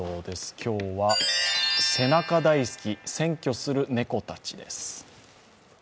今日は、背中大好き、占拠する猫たちです。